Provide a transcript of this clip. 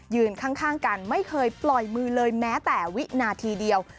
ข้างกันไม่เคยปล่อยมือเลยแม้แต่วินาทีเดียว